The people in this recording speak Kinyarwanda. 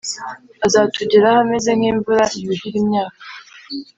azatugeraho ameze nk’imvura yuhira imyaka,